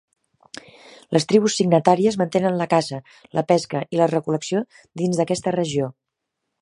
Les tribus signatàries mantenen la caça, la pesca i la recol·lecció dins d'aquesta regió.